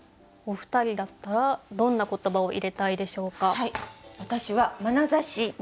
お二人だったらどんな言葉を入れたいでしょうか？